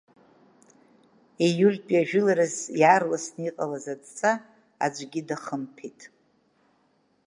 Ииультәи ажәыларазы иаарласны иҟалаз адҵа аӡәгьы дахымԥеит.